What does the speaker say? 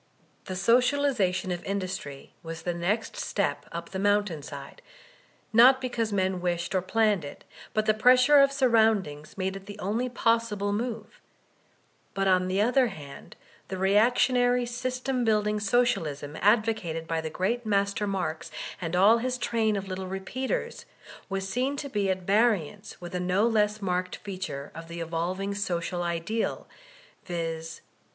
The socialization of in dustry was the next step up the mountain side, not be cause men wished or planned it; but the pressure of sur roundings made it the only possible move; but on the other hand the reactionary, system building Socialism ad vocated by the great master Marx, and all his train of little repeaters, was seen to be at variance with a no less marked feature of the evolving social ideal, viz.